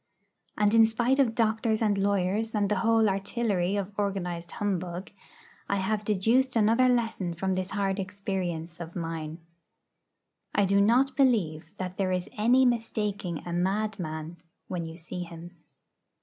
And in spite of doctors and lawyers and the whole artillery of organised Humbug, I have deduced another lesson from this hard experience of mine: I do not believe that there is any mistaking a madman when you see him.